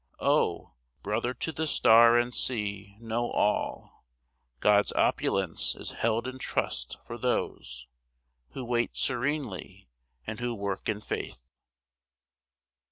Oh! brother to the star and sea, know all God's opulence is held in trust for those Who wait serenely and who work in faith.